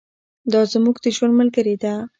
دا زموږ د ژوند ملګرې ده.